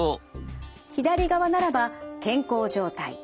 左側ならば健康状態。